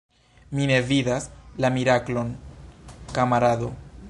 Mi ne vidas la miraklon, kamarado.